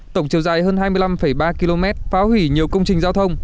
tổng chiều dài hơn hai mươi năm ba km phá hủy nhiều công trình giao thông